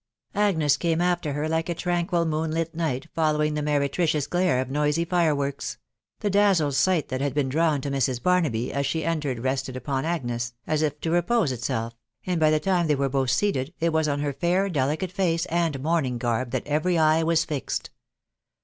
Agnes her, like a tranquil moonlit m&\i\. f o\tawVn& ^ THE WIDOW BARN ABY. 283 glare of noisy fireworks; the dazzled sight that had been drawn to Mrs. Barnaby as she entered rested upon Agnes, aa if to repose itself, and by the time they both were seated, it was on her fear, delicate face, and mourning garb, mat every eye was fixed.